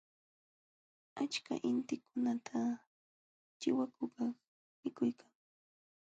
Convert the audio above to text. Achka inkikunata chiwakukaq mikuykan.